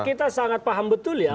kita sangat paham betul ya